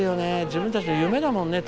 自分たちの夢だもんね